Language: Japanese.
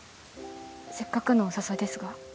せっかくのお誘いですが。